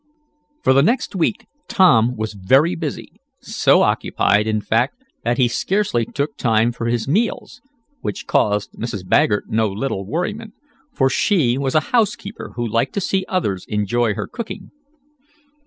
For the next week Tom was very busy, so occupied, in fact, that he scarcely took time for his meals, which caused Mrs. Baggert no little worriment, for she was a housekeeper who liked to see others enjoy her cooking.